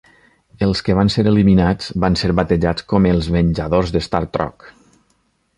Els que van ser eliminats van ser batejats com "els venjadors de StarStruck".